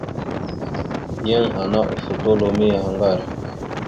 Yan ana ofotoloro miyaŋgar.